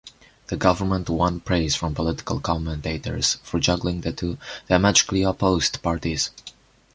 The government won praise from political commentators for juggling the two diametrically-opposed parties.